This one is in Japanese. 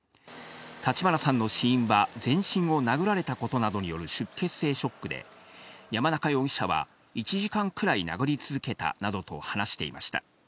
立花さんの死因は全身を殴られたことなどによる出血性ショックで、山中容疑者は１時間くらい殴り続けたなどと話していました。